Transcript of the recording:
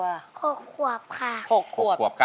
สวัสดีครับใบบัว๖ขวบค่ะ